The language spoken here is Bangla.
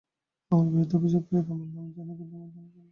আমার বিরুদ্ধে অভিযোগকারীরা আমার নাম জানে, কিন্তু আমি ওদের নাম জানি না।